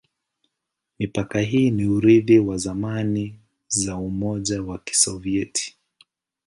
Mipaka hii ni urithi wa zamani za Umoja wa Kisovyeti.